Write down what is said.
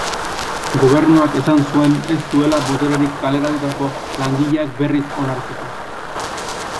Gobernuak esan zuen ez zuela botererik kaleratutako langileak berriz onartzeko.